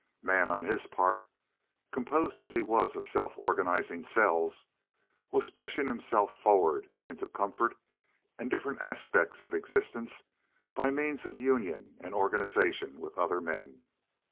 Man, on his part, composed as he was of self organizing cells, was pushing himself forward into comfort and different aspects of existence by means of union and organization with other men.